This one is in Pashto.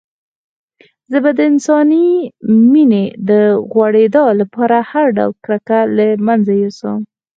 زه به د انساني مينې د غوړېدا لپاره هر ډول کرکه له منځه يوسم.